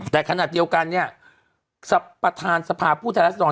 แต่ขณะเดียวกันเนี่ยประธานสภาพผู้แทนรัศดร